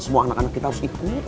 semua anak anak kita harus ikut